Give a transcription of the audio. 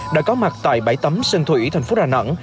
đã có mặt tại bãi tấm sân thủy thành phố đà nẵng